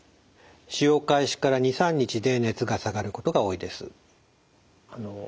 使用開始から２３日で熱が下がることが多いです。